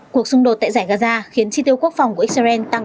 cuộc xung đột tại giải cà già khiến chi tiêu quốc phòng của israel tăng tám mươi năm